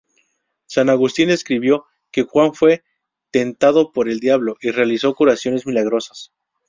San Agustín escribió que Juan fue tentado por el diablo y realizó curaciones milagrosas.